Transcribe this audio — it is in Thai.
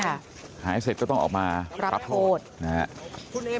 หาให้เสร็จก็ต้องออกมารับโทษรับโทษนะฮะ